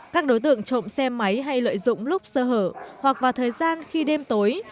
các đối tượng trộm xe máy hay lợi dụng lúc sơ hở hoặc vào thời gian khi đêm tối